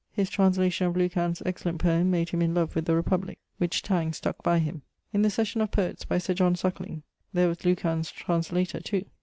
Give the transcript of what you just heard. His translation of Lucan's excellent poeme made him in love with the republique, which tang stuck by him. In the Session of Poets by Sir John Suckling: 'There was Lucan's translator too.'